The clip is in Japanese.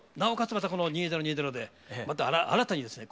またこの「２０２０」でまた新たにですね